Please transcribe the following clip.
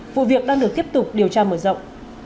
vụ việc đang được tiếp tục điều tra mở rộng